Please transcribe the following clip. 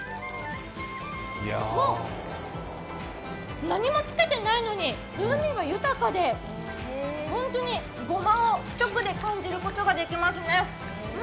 あ、何もつけてないのに風味が豊かで、本当にごまを直で感じることができますね。